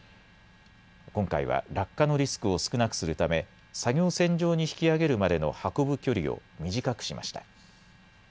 今回は落下のリスクを少なくするため作業船上に引き揚げるまでの運ぶ距離を短くしました。